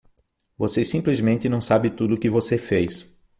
Você simplesmente não sabe tudo o que você fez.